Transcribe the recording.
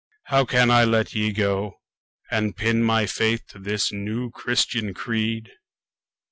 how can I let ye go And pin my faith to this new Christian creed?